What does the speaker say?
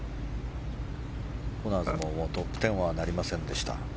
コナーズもトップ１０はなりませんでした。